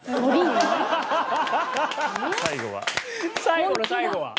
最後の最後は。